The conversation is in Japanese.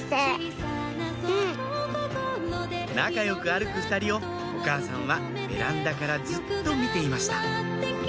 仲良く歩く２人をお母さんはベランダからずっと見ていました